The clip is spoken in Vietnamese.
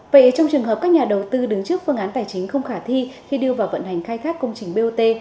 vậy trong trường hợp các nhà đầu tư đứng trước phương án tài chính không khả thi khi đưa vào vận hành khai thác công trình bot